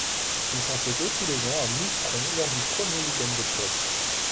Ils sont fêtés tous les ans à Mouscron lors du premier week-end d'octobre.